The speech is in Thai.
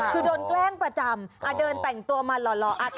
คือโดนแกล้งประจำเดินแต่งตัวมาหล่ออัด